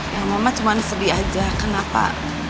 ya mama cuman sedih aja kenapa